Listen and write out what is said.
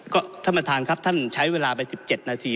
ก็ท่านประธานครับท่านใช้เวลาไป๑๗นาที